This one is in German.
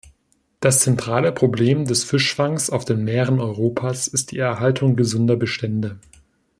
Das zentrale Problem des Fischfangs auf den Meeren Europas ist die Erhaltung gesunder Bestände.